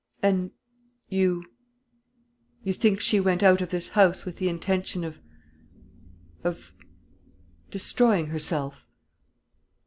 "And you you think she went out of this house with the intention of of destroying herself?"